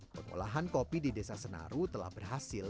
pengolahan kopi di desa senaru telah berhasil